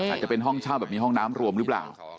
อาจจะเป็นห้องเช่าแบบมีห้องน้ำรวมหรือเปล่า